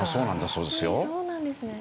そうなんですね。